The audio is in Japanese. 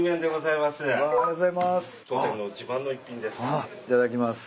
いただきます。